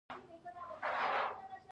د مازدیګر لمر پرې لګیږي.